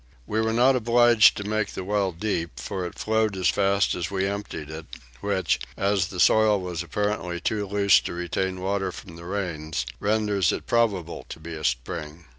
We were not obliged to make the well deep for it flowed as fast as we emptied it, which, as the soil was apparently too loose to retain water from the rains, renders it probable to be a spring.